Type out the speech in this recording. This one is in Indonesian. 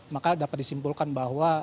maka dapat disimpulkan bahwa